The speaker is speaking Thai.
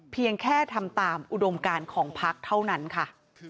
เพียงแค่ทำตามอุดมการของพักเท่านั้นค่ะ